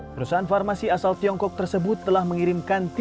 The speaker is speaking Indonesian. perusahaan farmasi asal tiongkok tersebut telah mengirimkan